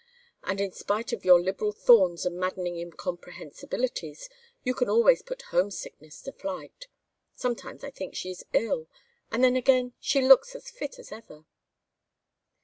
And in spite of your liberal thorns and maddening incomprehensibilities, you can always put homesickness to flight. Sometimes I think she is ill, and then again she looks as fit as ever."